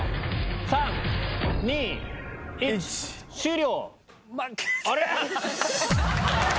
３・２・１終了！